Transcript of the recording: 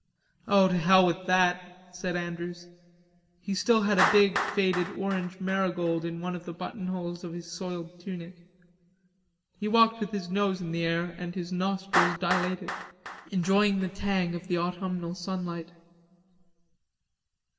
"Oh, to hell with that," said Andrews. He still had a big faded orange marigold in one of the buttonholes of his soiled tunic. He walked with his nose in the air and his nostrils dilated, enjoying the tang of the autumnal sunlight.